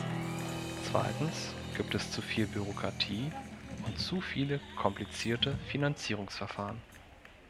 Zweitens gibt es zuviel Bürokratie und zu viele komplizierte Finanzierungsverfahren.